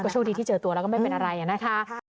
โชคดีที่เจอตัวแล้วก็ไม่เป็นอะไรนะคะ